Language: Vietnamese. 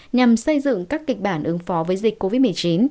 nhằm xây dựng các kịch bản ứng phó với dịch covid một mươi chín